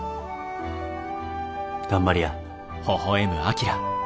頑張りや。